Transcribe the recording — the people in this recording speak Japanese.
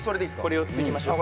これ４ついきましょう